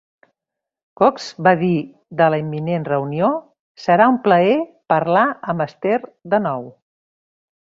Cox va dir de la imminent reunió: Serà un plaer parlar amb Esther de nou.